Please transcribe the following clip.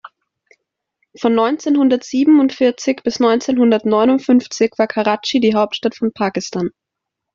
Von neunzehnhundertsiebenundvierzig bis neunzehnhundertneunundfünfzig war Karatschi die Hauptstadt von Pakistan.